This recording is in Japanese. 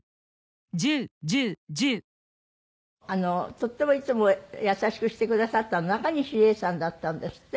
とってもいつも優しくしてくださったのなかにし礼さんだったんですって？